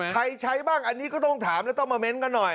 ใช้บ้างอันนี้ก็ต้องถามแล้วต้องมาเน้นกันหน่อย